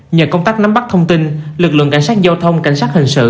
nhờ công tác nắm bắt thông tin lực lượng cảnh sát giao thông cảnh sát hình sự